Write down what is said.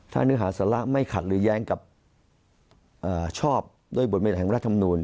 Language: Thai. ถ้าข้านึกหาศาละไม่ขัดหรือยงกับชอบโดยบทบัญญาณทางราชธรรมดนูญ